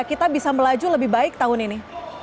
kita bisa melaju lebih baik tahun ini